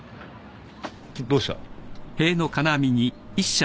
どうした？